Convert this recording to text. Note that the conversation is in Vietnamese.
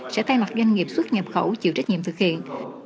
sẽ thay mặt doanh nghiệp xuất nhập khẩu chịu trách nhiệm thực hiện